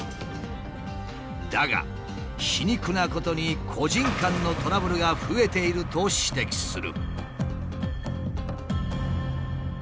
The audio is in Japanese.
だが皮肉なことに個人間のトラブルが増えていると指摘する。